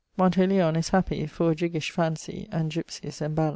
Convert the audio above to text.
Montelion is happy for a jiggish phancy and gypsies and ballads.